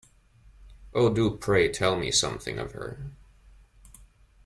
Oh, do pray tell me something of her.